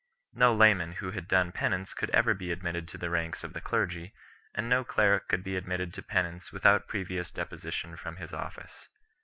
No layman who had done penance could ever be admitted to the ranks of the clergy, and no cleric could be admitted to penance without previous deposition from his office 2